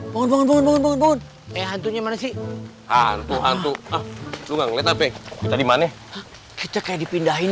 bangun bangun eh hantunya mana sih hantu hantu tuh enggak ngeliat tapi tadi mana kita dipindahin